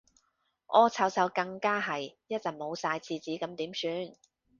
屙臭臭更加係，一陣冇晒廁紙咁點算